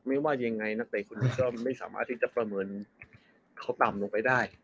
ไม่ว่ายังไงนักเตะคนนี้ก็ไม่สามารถที่จะประเมินเขาต่ำลงไปได้